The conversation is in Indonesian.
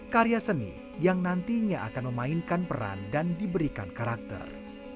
karya seni yang nantinya akan memainkan peran dan diberikan karakter